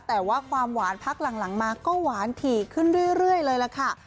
แต่ว่าความหวานพักหลังมาก็หวานถี่ขึ้นเรื่อยเลยล่ะค่ะ